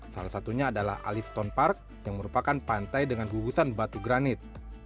salah satunya adalah alif stone park yang merupakan pantai dengan gugusan batu granit